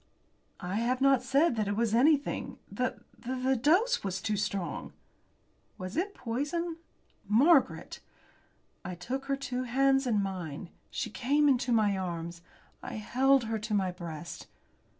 "I have not said that it was anything. The the dose was too strong." "Was it poison?" "Margaret!" I took her two hands in mine. She came into my arms. I held her to my breast.